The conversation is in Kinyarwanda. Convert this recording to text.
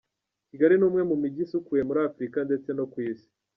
Kigali ni umwe mu mijyi isukuye muri Afurika ndetse no ku isi.